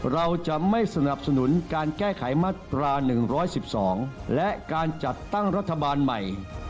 เราจะไม่สนับสนุนการแก้ไขมาตรา๑๑๒และการจัดตั้งรัฐบาลใหม่